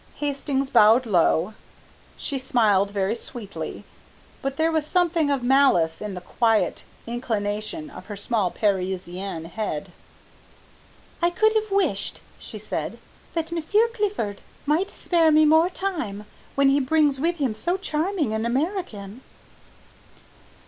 Hastings bowed low. She smiled very sweetly, but there was something of malice in the quiet inclination of her small Parisienne head. "I could have wished," she said, "that Monsieur Clifford might spare me more time when he brings with him so charming an American."